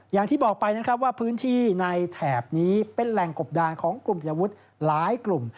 อย่างที่บอกไปนะครับว่าพื้นที่ในแถบนี้เป็นแหล่งกบดานของกลุ่มติดอาวุธหลายกลุ่ม